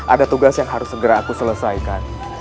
ada tugas yang harus segera aku selesaikan